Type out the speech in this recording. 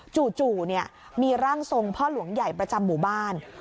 จู่มีร่างทรงพ่อหลวงใหญ่ประจำหมู่บ้าน